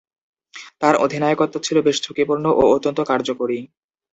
তার অধিনায়কত্ব ছিল বেশ ঝুঁকিপূর্ণ ও অত্যন্ত কার্যকরী।